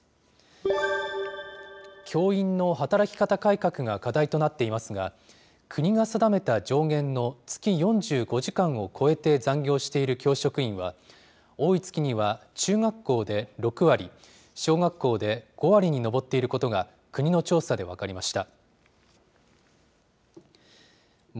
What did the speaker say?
教員の働き方改革が課題となっていますが、国が定めた上限の月４５時間を超えて残業している教職員は、多い月には中学校で６割、小学校で５割に上っていることが、国の調査で分かりました。